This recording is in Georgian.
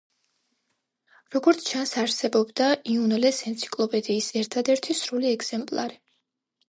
როგორც ჩანს, არსებობდა იუნლეს ენციკლოპედიის ერთადერთი სრული ეგზემპლარი.